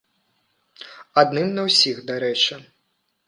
Адным на ўсіх, дарэчы.